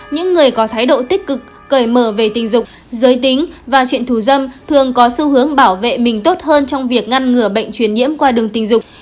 những người có thái độ tích cực cởi mở về tình dục giới tính và chuyện thủ dâm thường có xu hướng bảo vệ mình tốt hơn trong việc ngăn ngừa bệnh truyền nhiễm qua đường tình dục